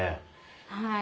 はい。